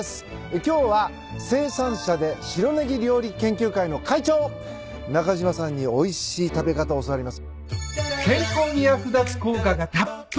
今日は生産者で白ねぎ料理研究会の会長中島さんにおいしい食べ方教わります。